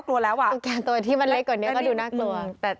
แค่เห็นตุ๊กแกก็กลัวแล้ว